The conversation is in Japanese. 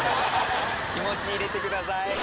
気持ち入れてください。